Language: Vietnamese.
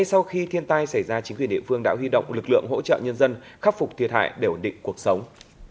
sau khi thiên tai xảy ra chính quyền địa phương đã huy động lực lượng hỗ trợ nhân dân khắc phục thiệt hại để ổn định cuộc sống